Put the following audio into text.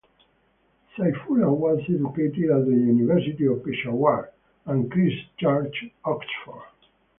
Saifullah was educated at the University of Peshawar, and Christ Church, Oxford.